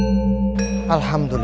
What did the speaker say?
tidak ada untuk mencobanya